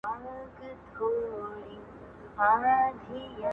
داسې ګڼي لکه د ښکلا سره شریک ګرځول